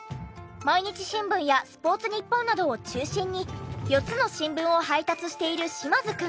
『毎日新聞』や『スポーツニッポン』などを中心に４つの新聞を配達している嶋津くん。